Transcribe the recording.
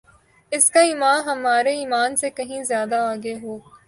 اس کا ایمان ہمارے ایمان سے کہین زیادہ آگے ہو